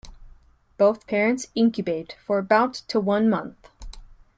Both parents incubate for about to one month.